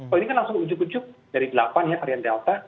oh ini kan langsung ujuk ujuk dari delapan ya varian delta